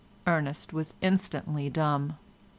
Ernest was instantly dumb.